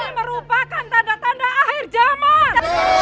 ini merupakan tanda tanda akhir zaman